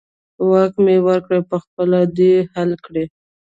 واک مې ورکړی، په خپله دې حل کړي.